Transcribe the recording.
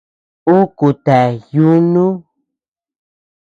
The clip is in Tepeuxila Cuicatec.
Ún kutea yunu.